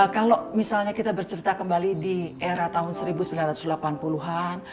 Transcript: kalau misalnya kita bercerita kembali di era tahun seribu sembilan ratus delapan puluh an